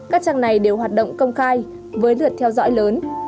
các trang này đều hoạt động công khai với lượt theo dõi lớn